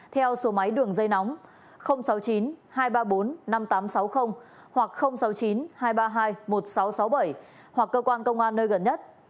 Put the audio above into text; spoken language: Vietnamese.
theo số máy đường dây nóng sáu mươi chín hai trăm ba mươi bốn năm nghìn tám trăm sáu mươi hoặc sáu mươi chín hai trăm ba mươi hai một nghìn sáu trăm sáu mươi bảy hoặc cơ quan công an nơi gần nhất